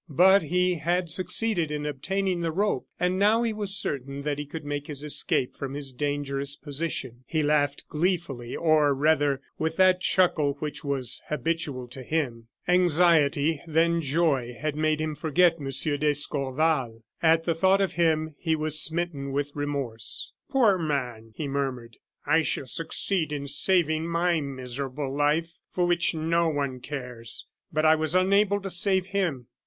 But he had succeeded in obtaining the rope, and now he was certain that he could make his escape from his dangerous position. He laughed gleefully, or rather with that chuckle which was habitual to him. Anxiety, then joy, had made him forget M. d'Escorval. At the thought of him, he was smitten with remorse. "Poor man!" he murmured. "I shall succeed in saving my miserable life, for which no one cares, but I was unable to save him.